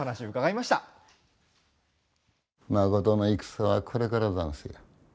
まことの戦はこれからざんすよ。